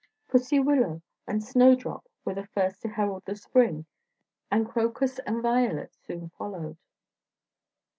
Pussy willow and snowdrop were the first to herald the spring, and crocus and violet soon followed.